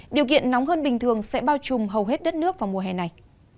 điều kiện nóng hơn bình thường sẽ bao trùm hầu hết đất nước vào mùa hè này